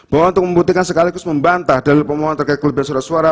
bahwa untuk membuktikan sekaligus membantah dalil pemohon terkait kelebihan surat suara